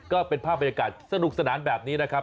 ก็เป็นภาพบรรยากาศสนุกสนานแบบนี้นะครับ